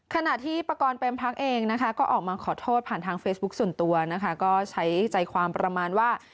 ขณะที่ประกอบเต็มพักเองนะคะก็ออกมาขอโทษผ่านทางเฟซบุ๊คส่วนตัวนะคะก็ใช้ใจความประมาณว่า